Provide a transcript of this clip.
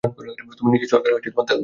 তুমি নিজের চরকায় তেল দাও।